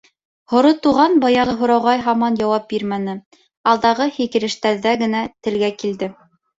Һоро Туған баяғы һорауға һаман яуап бирмәне, алдағы һикерештәрҙә генә телгә килде: